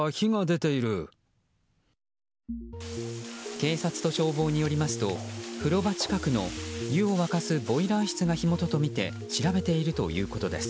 警察と消防によりますと風呂場近くの湯を沸かすボイラー室が火元とみて調べているということです。